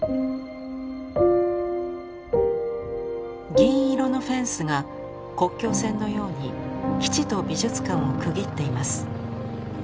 銀色のフェンスが国境線のように基地と美術館を区切っています。